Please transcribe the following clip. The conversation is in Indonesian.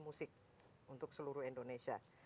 untuk seluruh indonesia